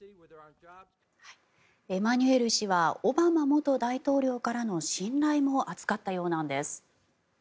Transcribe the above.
エマニュエル氏はオバマ元大統領からの信頼も厚かったようなんです。